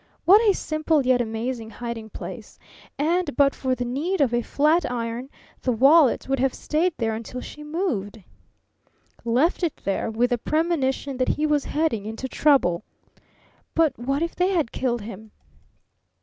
What a simple yet amazing hiding place; and but for the need of a flatiron the wallet would have stayed there until she moved. Left it there, with the premonition that he was heading into trouble. But what if they had killed him?